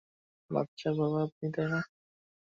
বাচ্চার বাবা আপনি, তাই না?